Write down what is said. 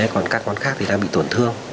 còn các ngón khác thì đang bị tổn thương